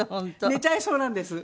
寝ちゃいそうなんです。